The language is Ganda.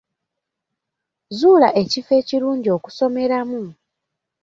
Zuula ekifo ekirungi okusomeramu.